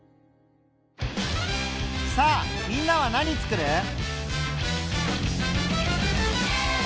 さあみんなは何つくる？